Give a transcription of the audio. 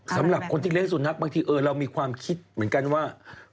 สำหรับคนที่เลี้ยสุนัขบางทีเรามีความคิดเหมือนกันว่า